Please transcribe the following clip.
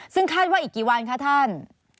ซึ่งคาดว่าอีกกี่วันคะท่าน